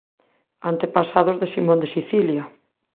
Antepasados de Simón de Sicilia